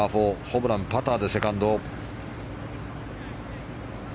ホブラン、パターでセカンド。